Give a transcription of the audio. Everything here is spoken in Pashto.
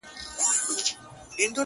• سره او شنه یې وزرونه سره مشوکه-